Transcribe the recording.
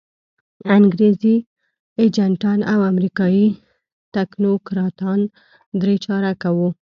انګریزي ایجنټان او امریکایي تکنوکراتان درې چارکه وو.